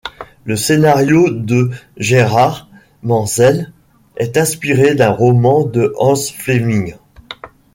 Le scénario de Gerhard Menzel est inspiré d'un roman de Hans Flemming.